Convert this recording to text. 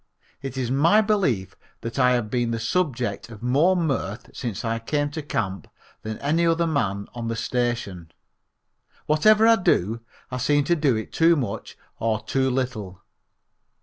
It is my belief that I have been the subject of more mirth since I came to camp than any other man on the station. Whatever I do I seem to do it too much or too little.